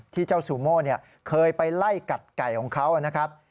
ที่เจ้าซูโม่เคยไปไล่กัดไก่ของเขานะครับ